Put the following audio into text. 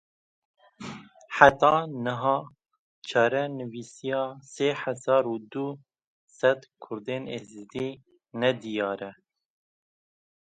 Heta niha çarenivîsa sê hezar û du sed Kurdên Êzidî nediyar e.